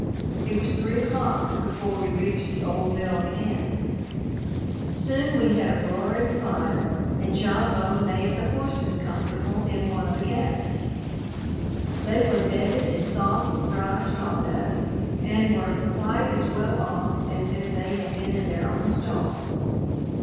It was three o'clock before we reached the old mill camp. Soon we had a roaring fire, and Gavotte made the horses comfortable in one of the cabins. They were bedded in soft, dry sawdust, and were quite as well off as if they had been in their own stalls.